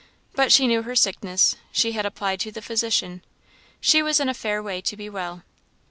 But she knew her sickness; she had applied to the Physician; she was in a fair way to be well.